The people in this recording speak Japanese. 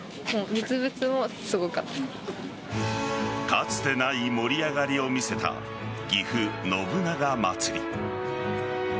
かつてない盛り上がりを見せたぎふ信長まつり。